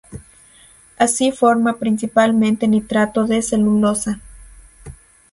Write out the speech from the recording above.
Así forma principalmente nitrato de celulosa.